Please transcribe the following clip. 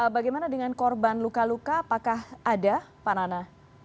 bagaimana dengan korban luka luka apakah ada pak nana